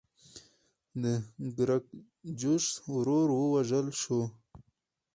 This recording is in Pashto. د ګراکچوس ورور ووژل شو.